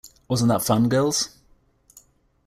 Wasn't that fun, girls?